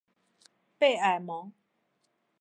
贝尔蒙。